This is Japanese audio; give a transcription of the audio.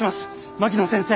槙野先生！